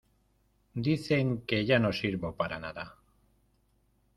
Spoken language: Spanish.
Dicen que ya no sirvo para nada.